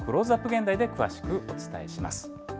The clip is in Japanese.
現代で詳しくお伝えします。